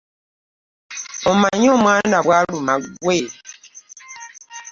Omanyi omwana bw'aluma ggwe?